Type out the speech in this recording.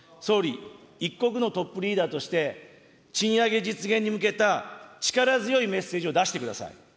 総理、一国のトップリーダーとして、賃上げ実現に向けた力強いメッセージを出してください。